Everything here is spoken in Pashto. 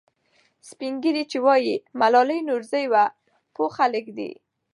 سپین ږیري چې وایي ملالۍ نورزۍ وه، پوه خلک دي.